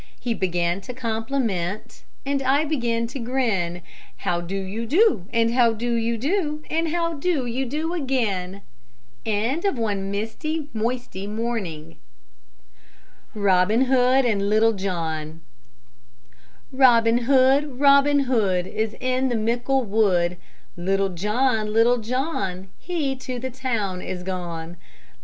He began to compliment And I began to grin. How do you do? And how do you do? And how do you do again? ROBIN HOOD AND LITTLE JOHN Robin Hood, Robin Hood, Is in the mickle wood! Little John, Little John, He to the town is gone.